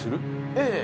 ええ。